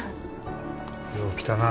よう来たな。